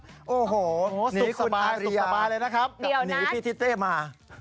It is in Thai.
โว้โหหนีคุณอาริยานี่พี่ติ้เต้มา